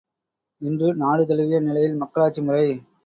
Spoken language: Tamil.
இன்று நாடு தழுவிய நிலையில் மக்களாட்சி முறை.